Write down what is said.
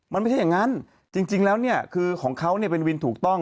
มันไม่ใช่อย่างนั้นจริงแล้วเนี่ยคือของเขาเนี่ยเป็นวินถูกต้อง